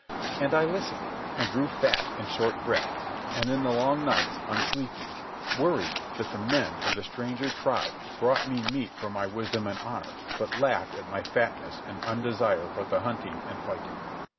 And I listened, and grew fat and short breathed, and in the long nights, unsleeping, worried that the men of the stranger tribe brought me meat for my wisdom and honour, but laughed at my fatness and undesire for the hunting and fighting.